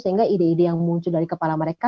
sehingga ide ide yang muncul dari kepala mereka